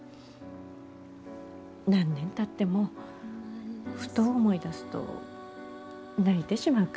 何年たってもふと思い出すと泣いてしまうから。